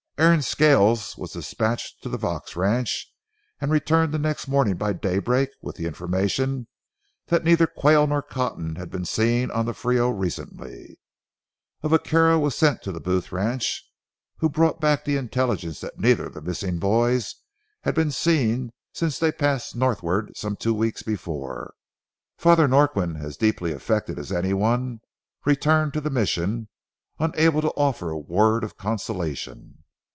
Aaron Scales was dispatched to the Vaux ranch, and returned the next morning by daybreak with the information that neither Quayle nor Cotton had been seen on the Frio recently. A vaquero was sent to the Booth ranch, who brought back the intelligence that neither of the missing boys had been seen since they passed northward some two weeks before. Father Norquin, as deeply affected as any one, returned to the Mission, unable to offer a word of consolation.